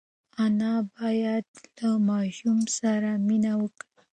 انا باید له ماشوم سره مینه وکړي.